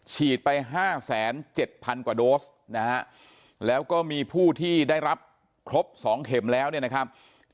ฉีดไป๕๗๐๐กว่าโดสนะฮะแล้วก็มีผู้ที่ได้รับครบ๒เข็มแล้วเนี่ยนะครับ